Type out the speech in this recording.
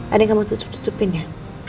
ada yang kamu tutup tutupin ya